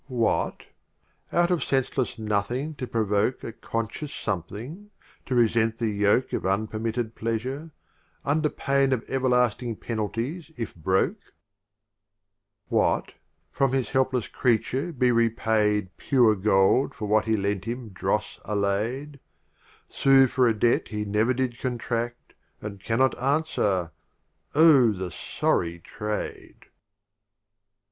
28 LXXVIII. What ! out of senseless Nothing to RuMUyat i of Omar P rOVoke . Khayyam A conscious Something to resent the yoke Of unpermitted Pleasure, under pain Of Everlasting Penalties, if broke ! LXXIX. What! from his helpless Creature be repaid Pure Gold for what he lent him dross allay'd — Sue for a Debt he never did con tradt, And cannot answer — Oh the sorry trade